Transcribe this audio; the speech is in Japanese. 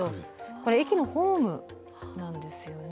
これ駅のホームなんですよね。